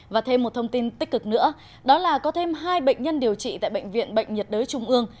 và thêm một thông tin tích cực nữa đó là có thêm hai bệnh nhân điều trị tại bệnh viện bệnh nhiệt đới trung ương